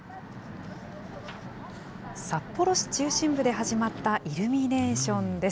札幌市中心部で始まったイルミネーションです。